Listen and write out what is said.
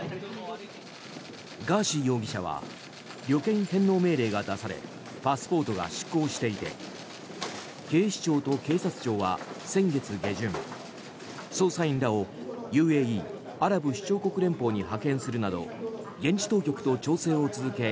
ガーシー容疑者は旅券返納命令が出されパスポートが失効していて警視庁と警察庁は、先月下旬捜査員らをＵＡＥ・アラブ首長国連邦に派遣するなど現地当局と調整を続け